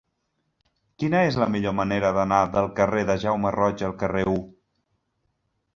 Quina és la millor manera d'anar del carrer de Jaume Roig al carrer U?